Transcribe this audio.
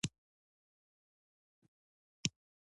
په شمال، جنوب، ختیځ او لویدیځ کې بریدونه روان دي.